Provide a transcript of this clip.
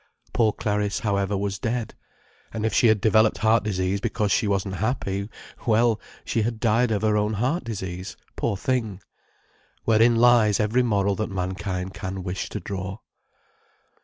Poor Clariss, however, was dead—and if she had developed heart disease because she wasn't happy, well, she had died of her own heart disease, poor thing. Wherein lies every moral that mankind can wish to draw.